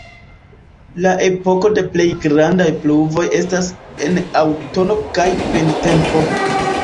La epoko de plej grandaj pluvoj estas en aŭtuno kaj printempo.